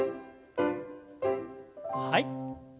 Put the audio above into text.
はい。